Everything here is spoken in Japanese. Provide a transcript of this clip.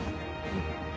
うん。